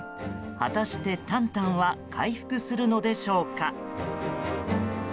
果たして、タンタンは回復するのでしょうか？